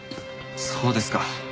そうですか。